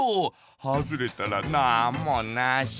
はずれたらなんもなし。